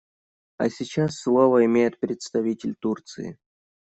А сейчас слово имеет представитель Турции.